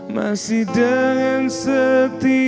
masih dengan setia